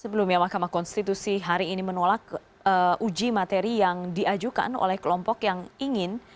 sebelumnya mahkamah konstitusi hari ini menolak uji materi yang diajukan oleh kelompok yang ingin